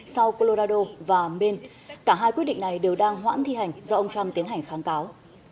sau colorado và maine cả hai quyết định này đều đang hoãn thi hành do ông trump tiến hành kháng cáo